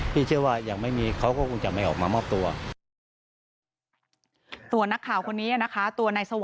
พี่เชื่อว่ายังไม่มีเขาก็คงจะไม่ออกมามอบตัว